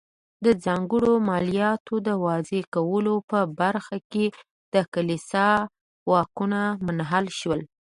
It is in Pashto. د ځانګړو مالیاتو د وضع کولو په برخه کې د کلیسا واکونه منحل شول.